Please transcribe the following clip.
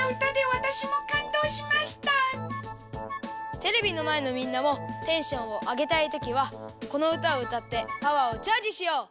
テレビのまえのみんなもテンションをあげたいときはこのうたをうたってパワーをチャージしよう。